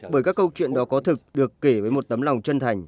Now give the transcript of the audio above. bởi các câu chuyện đó có thực được kể với một tấm lòng chân thành